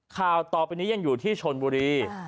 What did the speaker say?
ข่าวต่อไปนี้ยังอยู่ที่ชนบุรี